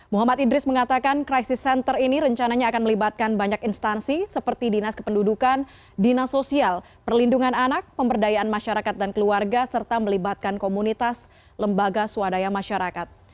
muhammad idris mengatakan krisis center ini rencananya akan melibatkan banyak instansi seperti dinas kependudukan dinas sosial perlindungan anak pemberdayaan masyarakat dan keluarga serta melibatkan komunitas lembaga swadaya masyarakat